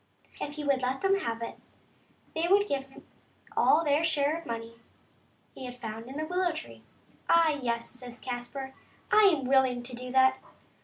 If he would let them have it, they would give him all of their share of the money he had found in the willow tree. *' Ah, yes," says Caspar, " I am willing to do that.